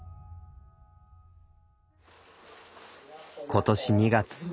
今年２月。